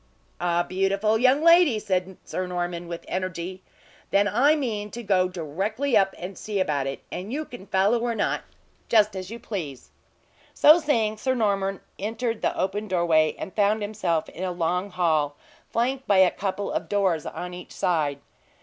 "A beautiful young lady!" said Sir Norman, with energy. "Then I mean to go directly up and see about it, and you can follow or not, just as you please." So saying, Sir Norman entered the open doorway, and found himself in a long hall, flanked by a couple of doors on each side.